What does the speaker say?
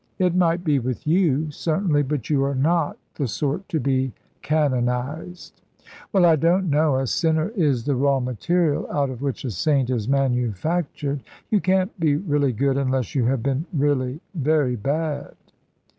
"It might be with you, certainly. But you are not the sort to be canonised." "Well, I don't know. A sinner is the raw material out of which a saint is manufactured. You can't be really good, unless you have been really very bad."